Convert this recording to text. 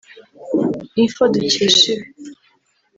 Info dukesha ibi